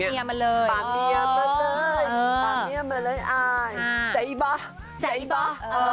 ป่าเมียมาเลยป่าเมียมาเลยใจบ้าใจบ้า